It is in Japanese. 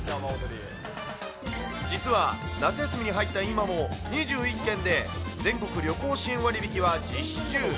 実は夏休みに入った今も、２１県で全国旅行支援割引は実施中。